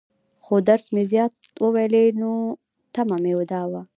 خو درس مې زيات وويلى وو، نو تمه مې دا وه.